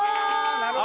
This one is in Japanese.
なるほど！